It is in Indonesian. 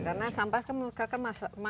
karena sampah kan merukakan masalah kita bersama